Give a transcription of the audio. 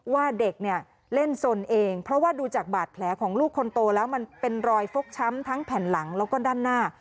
ว่าเด็กเนี่ยเล่นสนเองเพราะว่าดูจากบาดแผลของลูกคนโตแล้วมันเป็นรอยฟกช้ำทั้งแผ่นหลังแล้วก็ด้านหน้า